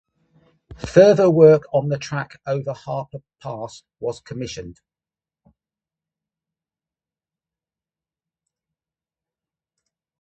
Further work on the track over Harper Pass was commissioned.